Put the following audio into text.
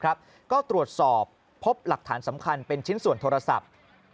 ก็ตรวจสอบพบหลักฐานสำคัญเป็นชิ้นส่วนโทรศัพท์